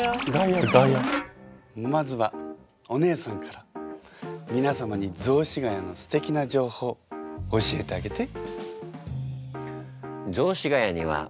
まずはお姉さんからみなさまに雑司が谷のすてきな情報教えてあげて。